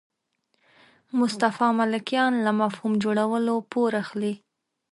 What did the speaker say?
مصطفی ملکیان له مفهوم جوړولو پور اخلي.